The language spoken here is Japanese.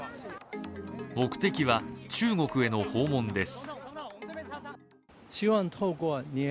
目的は、中国への訪問です。